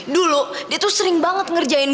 dulu dia tuh sering banget ngerjain